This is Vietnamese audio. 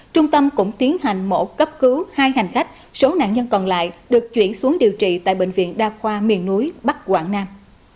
trung tâm cũng tiến hành mổ cấp cứu hai hành khách số nạn nhân còn lại được chuyển xuống điều trị tại bệnh viện đa khoa miền núi bắc quảng nam